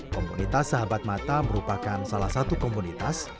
komunitas sahabat mata merupakan salah satu komunitas